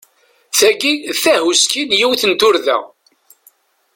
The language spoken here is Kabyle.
Tagi d tahuski n yiwet n turda.